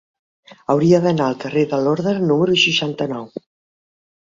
Hauria d'anar al carrer de Lorda número seixanta-nou.